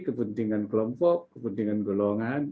kepentingan kelompok kepentingan golongan